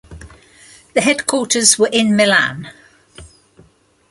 The headquarters were in Milan.